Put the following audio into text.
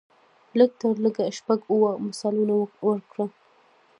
لږ تر لږه شپږ اووه مثالونه ورکړو.